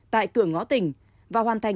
tại cửa ngõ tỉnh và hoàn thành